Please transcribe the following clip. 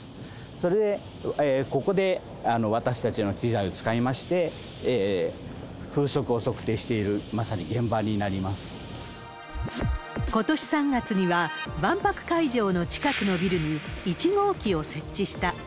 それで、ここで私たちの機械を使いまして、風速を測定している、まさに現場ことし３月には、万博会場の近くのビルに、１号機を設置した。